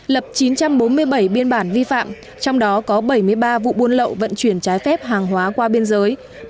lập chín trăm bốn mươi bảy biên bản vi phạm trong đó có bảy mươi ba vụ buôn lậu vận chuyển trái phép hàng hóa qua biên giới